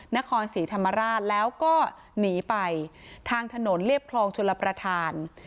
นครศรีธรรมราชแล้วก็หนีไปทางถนนเรียบคลองชลประธาน